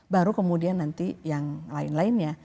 baru kemudian nanti yang lain lainnya